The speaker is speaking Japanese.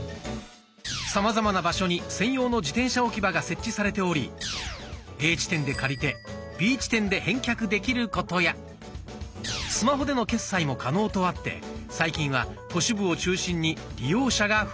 さまざまな場所に専用の自転車置き場が設置されておりＡ地点で借りてＢ地点で返却できることやスマホでの決済も可能とあって最近は都市部を中心に利用者が増えています。